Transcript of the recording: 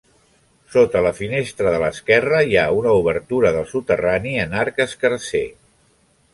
Sota la finestra de l'esquerra, hi ha una obertura del soterrani en arc escarser.